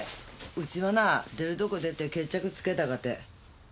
ウチはなぁ出るとこ出て決着つけたかて。